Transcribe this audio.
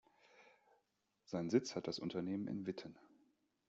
Seinen Sitz hat das Unternehmen in Witten.